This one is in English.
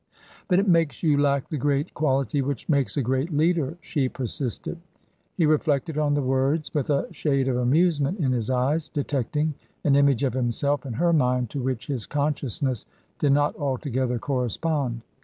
" But it makes you lack the great quality which makes a great leader," she persisted. He reflected on the words with a shade of amusement in his eyes, detecting an image of himself in her mind to which his consciousness did not altogether correspond.